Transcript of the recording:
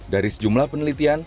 dari sejumlah penelitian